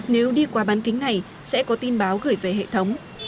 nếu đi qua bán kính này sẽ có tin báo gửi về hệ thống